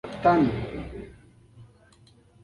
وطن